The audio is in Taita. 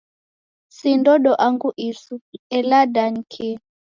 Si ndodo angu isu, ela da ni kii?